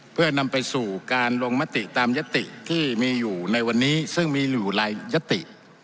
เพื่อนำไปสู่การลงมติตามยติที่มีอยู่ในวันนี้ซึ่งมีอยู่หลายยติ